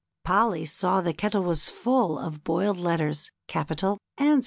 Polly saw the kettle was full of boiled letters, capital and small.